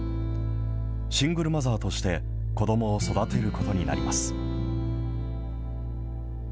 シングルマザーとして子どもを育てることになります。